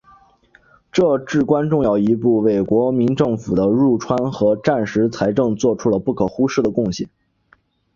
这至关重要一步为国民政府的入川和战时财政作出了不可忽视的贡献。